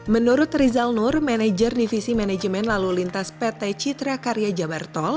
menurut rizal nur manajer divisi manajemen lalu lintas pt citra karya jabartol